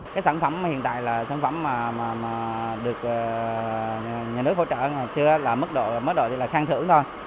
cái sản phẩm hiện tại là sản phẩm mà được nhà nước hỗ trợ hồi xưa là mức độ mức độ thì là khang thưởng thôi